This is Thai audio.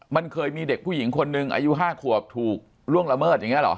มันเคยมีเด็กผู้หญิงคนหนึ่งอายุ๕ขวบถูกล่วงละเมิดอย่างนี้เหรอ